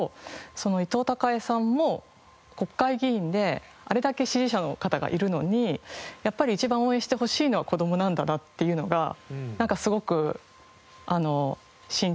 伊藤孝恵さんも国会議員であれだけ支持者の方がいるのにやっぱり一番応援してほしいのは子どもなんだなっていうのがなんかすごく親近感というか。